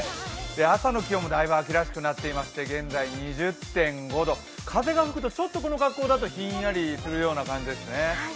朝の気温もだいぶ秋らしくなってきまして、現在２０．５度、風が吹くとちょっとこの格好だとひんやりするような感じですね。